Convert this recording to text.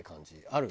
ある？